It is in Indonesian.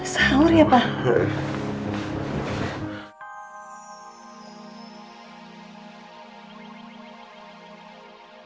saur ya pak